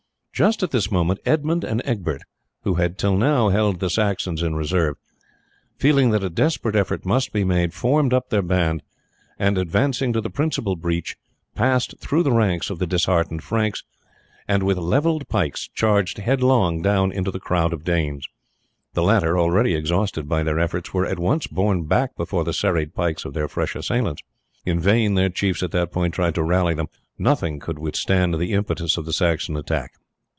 Just at this moment Edmund and Egbert, who had till now held the Saxons in reserve, feeling that a desperate effort must be made, formed up their band, and advancing to the principal breach, passed through the ranks of the disheartened Franks, and with levelled pikes charged headlong down into the crowd of Danes. The latter, already exhausted by their efforts, were at once borne back before the serried pikes of their fresh assailants. In vain their chiefs at that point tried to rally them; nothing could withstand the impetus of the Saxon attack.